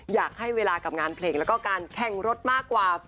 อยากให้เวลากับงานเพลงแล้วก็การแข่งรถมากกว่า